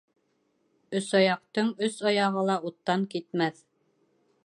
Өсаяҡтың өс аяғы ла уттан китмәҫ.